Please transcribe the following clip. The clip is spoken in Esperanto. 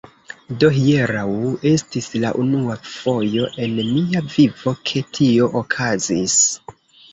Do hieraŭ, estis la unua fojo en mia vivo, ke tio okazis.